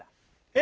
え